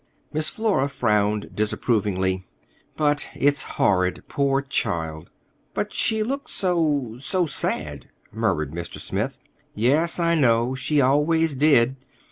Miss Flora frowned disapprovingly. "But it's horrid, poor child!" "But she looks so—so sad," murmured Mr. Smith. "Yes, I know. She always did."